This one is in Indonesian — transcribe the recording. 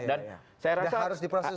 dan saya rasa harus kelihatan